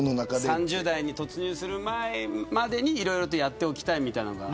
３０代に突入する前までにいろいろとやっておきたいみたいなものが。